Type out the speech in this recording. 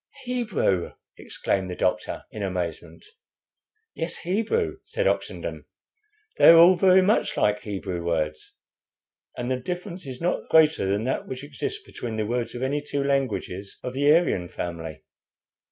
"Hebrew!" exclaimed the doctor, in amazement. "Yes, Hebrew," said Oxenden. "They are all very much like Hebrew words, and the difference is not greater than that which exists between the words of any two languages of the Aryan family."